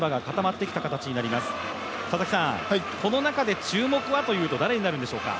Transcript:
この中で、注目はというと誰になるんでしょうか？